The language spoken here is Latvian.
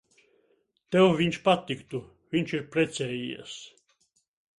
Tev viņš patiktu. Viņš ir precējies.